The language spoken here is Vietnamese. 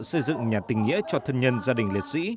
xây dựng nhà tình nghĩa cho thân nhân gia đình liệt sĩ